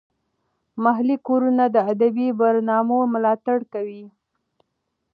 محلي کورونه د ادبي برنامو ملاتړ کوي.